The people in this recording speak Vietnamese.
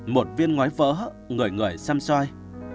một viên ngoái vỡ ngửi ngửi xăm xoay